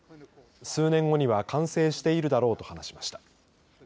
数年後には完成しているだろうと話しました。